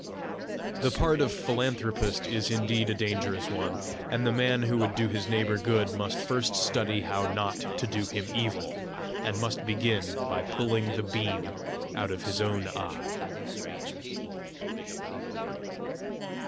The part of philanthropist is indeed a dangerous one; and the man who would do his neighbour good must first study how not to do him evil, and must begin by pulling the beam out of his own eye.